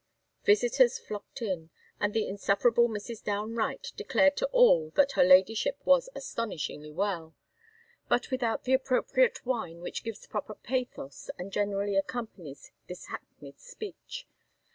Visitors flocked in, and the insufferable Mrs. Downe Wright declared to all that her Ladyship was astonishingly well; but without the appropriate whine, which gives proper pathos, and generally accompanies this hackneyed speech.